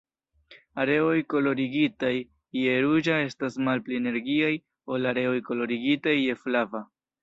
Areoj kolorigitaj je ruĝa estas malpli energiaj ol areoj kolorigitaj je flava.